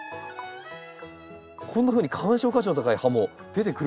こんなふうに観賞価値の高い葉も出てくる。